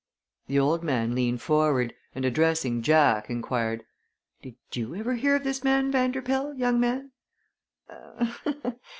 The old man leaned forward and, addressing Jack, inquired: "Did you ever hear of this man Vanderpoel, young man?"